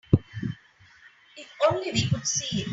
If only we could see it.